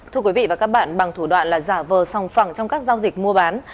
thưa quý vị và các bạn bằng thủ đoạn là giả vờ sòng phẳng trong các giao dịch mua bán